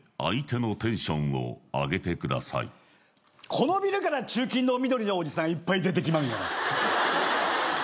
このビルから駐禁のみどりのおじさんいっぱいでてきまんがな。